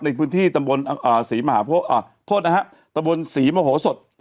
ในพื้นที่ตำบลศรีมหโหสด